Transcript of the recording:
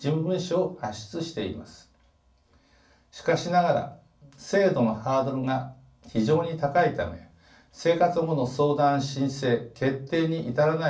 しかしながら制度のハードルが非常に高いため生活保護の相談・申請・決定に至らない人・世帯が数多くいます。